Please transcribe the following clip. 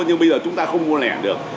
nhưng bây giờ chúng ta không mua lẻ được